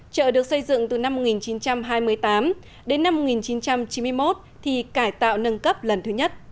chợ được xây dựng từ năm một nghìn chín trăm hai mươi tám đến năm một nghìn chín trăm chín mươi một thì cải tạo nâng cấp lần thứ nhất